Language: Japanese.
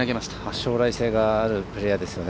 将来性があるプレーヤーですよね。